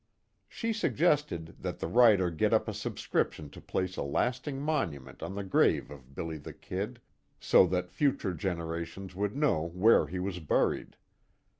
She suggested that the writer get up a subscription to place a lasting monument on the grave of "Billy the Kid," so that future generations would know where he was buried.